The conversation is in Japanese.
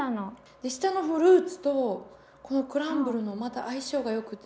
で下のフルーツとこのクランブルのまた相性がよくて。